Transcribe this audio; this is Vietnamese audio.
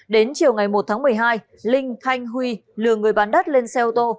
đến chiều ngày một tháng một mươi hai linh khanh huy lừa người bán đất lên xe ô tô